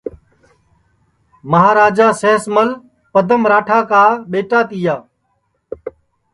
مہاراجا سینس مل پدم راٹا کا ٻیٹا تیا